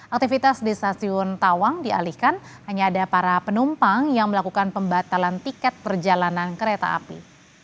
aktivitas di stasiun tawang dialihkan hanya ada para penumpang yang melakukan pembatalan tiket perjalanan kereta api